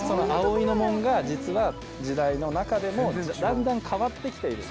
葵の紋が実は時代の中でもだんだん変わって来ている。